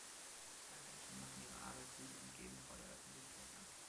Zwei Menschen machen ihre Arbeit gut und geben vor der Öffentlichkeit an.